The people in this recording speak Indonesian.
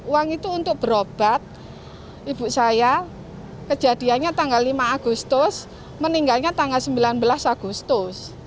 uang itu untuk berobat ibu saya kejadiannya tanggal lima agustus meninggalnya tanggal sembilan belas agustus